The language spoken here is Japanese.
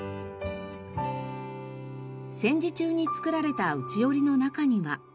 戦時中に作られたうちおりの中には。